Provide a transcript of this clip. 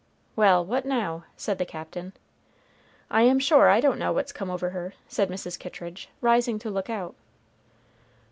"Well, what now?" said the Captain. "I am sure I don't know what's come over her," said Mrs. Kittridge, rising to look out.